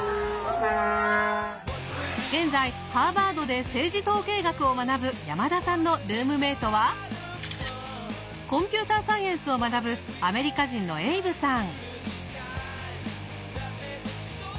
現在ハーバードで政治統計学を学ぶ山田さんのルームメートはコンピューターサイエンスを学ぶアメリカ人のエイブさん。